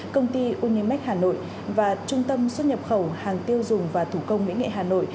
công ty unimec hà nội và trung tâm xuất nhập khẩu hàng tiêu dùng và thủ công mỹ nghệ hà nội